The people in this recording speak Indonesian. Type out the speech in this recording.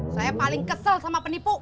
saya paling kesel sama penipu